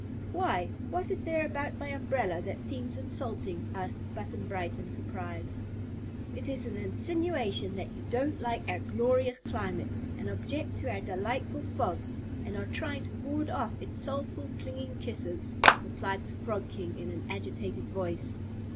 "Why, what is there about my umbrella that seems insulting?" asked Button Bright, in surprise. "It is an insinuation that you don't like our glorious climate, and object to our delightful fog, and are trying to ward off its soulful, clinging kisses," replied the Frog King, in an agitated voice.